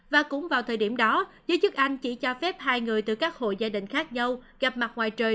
và cũng vào thời điểm đó giới chức anh chỉ cho phép hai người từ các hộ gia đình khác nhau gặp mặt ngoài trời